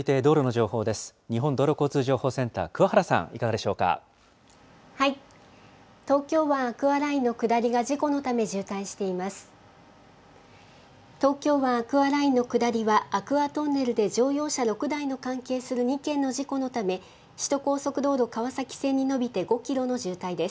東京湾アクアラインの下りは、アクアトンネルで乗用車６台の関係する２件の事故のため、首都高速道路川崎線に延びて５キロの渋滞です。